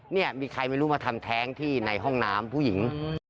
นี่มีใครไม่รู้มาทำแท้งที่ในห้องน้ำผู้หญิง